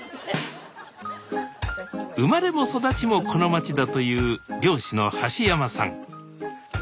生まれも育ちもこの町だという漁師の橋山さん。